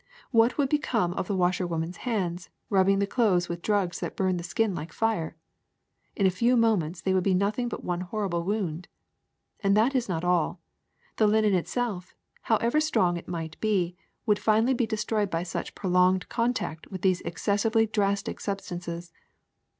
What would become of the wash erwoman's hands, rubbing the clothes mth drugs that burn the skin like fire I In a few moments they would be nothing but one horrible wound. And that is not all: the linen itself, however strong it might be, would finally be destroyed by such prolonged con tact with these excessively drastic substances.